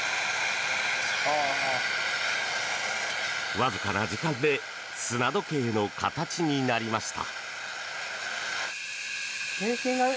わずかな時間で砂時計の形になりました。